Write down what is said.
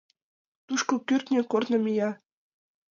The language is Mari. Тушко кӱртньӧ корно мия.